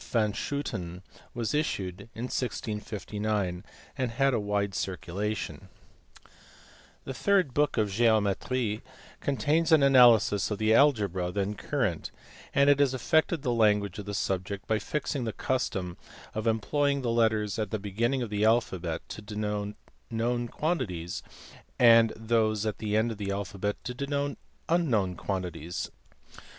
van Schooten was issued in 1659, and had a wide circulation. DESCARTES. 277 The third book of the Geometrie contains an analysis of the algebra then current, and it has affected the language of the subject by fixing the custom of employing the letters at the beginning of the alphabet to denote known quantities, and those at the end of the alphabet to denote unknown quantities*.